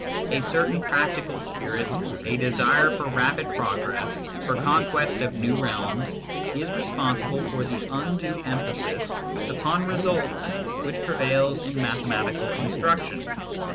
A certain practical spirit, a desire for rapid progress, for conquest of new realms, is responsible for the undue emphasis upon results which prevails in mathematical instruction.